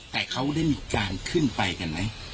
แต่เขาได้มีการขึ้นไปกันไหม